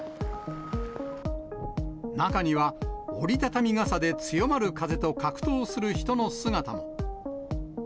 中には折り畳み傘で強まる風と格闘する人の姿も。